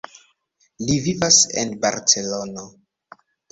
Li vivas en Barcelono.